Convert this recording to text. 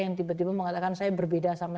yang tiba tiba mengatakan saya berbeda sama